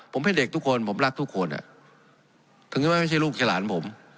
ผมเป็นเด็กทุกคนผมรักทุกคนถึงจะไม่ใช่ลูกใช่หลานผม